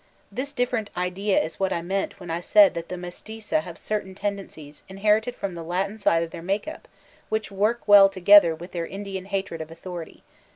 This different idea is what I meant when I said that the mestiza have certain tendencies inherited from the Latin sid^ of their make up which work well together with their Indian hatred of authority.